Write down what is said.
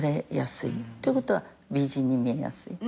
ということは美人に見えやすい。